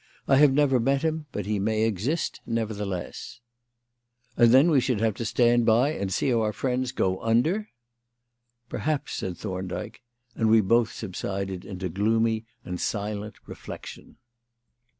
I have never met him, but he may exist, nevertheless." "And then we should have to stand by and see our friends go under." "Perhaps," said Thorndyke; and we both subsided into gloomy and silent reflection.